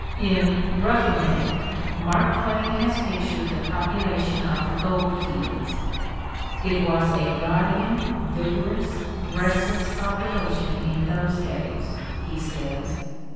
In "Roughing It," Mark Twain has pictured the population of the gold fields. "It was a driving, vigor ous, restless population in those days," he says.